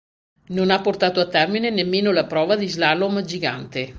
Non ha portato a termine nemmeno la prova di slalom gigante.